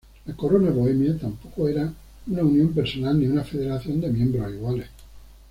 La Corona Bohemia tampoco era una unión personal ni una federación de miembros iguales.